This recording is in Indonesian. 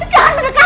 jangan bunuh saya